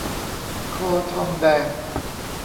คอทองแดง